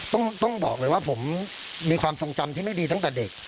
ต้องบอกเลยว่าผมมีความทรงจำที่ไม่ดีตั้งแต่เด็ก